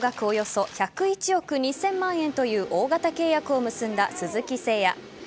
およそ１０１億２０００万円という大型契約を結んだ鈴木誠也。